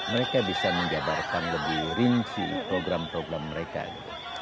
mereka bisa menjadarkan lebih rinci program programnya